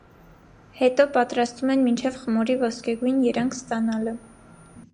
Հետո պատրաստում են մինչև խմորի ոսկեգույն երանգ ստանալը։